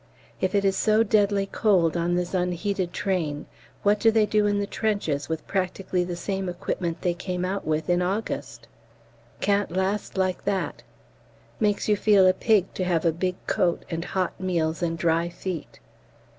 If it is so deadly cold on this unheated train, what do they do in the trenches with practically the same equipment they came out with in August? Can't last like that. Makes you feel a pig to have a big coat, and hot meals, and dry feet.